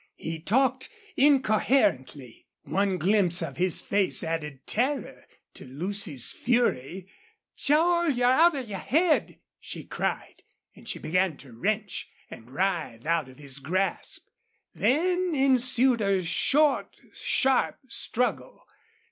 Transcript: He talked incoherently. One glimpse of his face added terror to Lucy's fury. "Joel, you're out of your head!" she cried, and she began to wrench and writhe out of his grasp. Then ensued a short, sharp struggle.